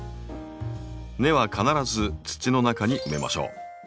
根は必ず土の中に埋めましょう。